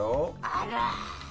あら！